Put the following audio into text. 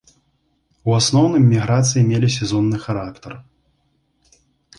У асноўным міграцыі мелі сезонны характар.